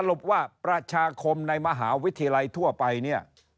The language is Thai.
สรุปว่าประชาคมในมหาวิทยาลัยทั่วไป